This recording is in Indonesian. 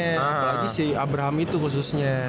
apalagi si abraham itu khususnya